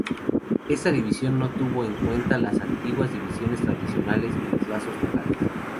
Esta división no tuvo en cuenta las antiguas divisiones tradicionales y los lazos locales.